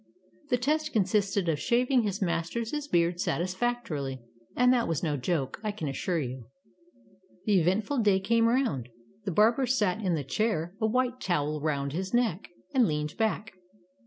The test consisted of shaving his master's beard satisfactorily, and that was no joke, I can assure you. The eventful day came round. The barber sat in the chair, a white towel around his neck, and leaned back.